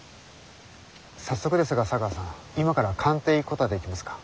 早速ですが茶川さん今から官邸へ行くことはできますか？